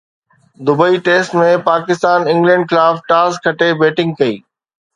Dubai test ۾ Pakistan England خلاف toss کٽي batting ڪئي